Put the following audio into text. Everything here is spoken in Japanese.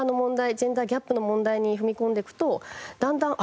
ジェンダーギャップの問題に踏み込んでいくとだんだんあれ？